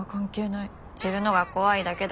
「知るのが怖いだけだろ」。